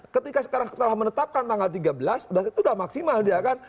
ketika sekarang telah menetapkan tanggal tiga belas itu sudah maksimal dia kan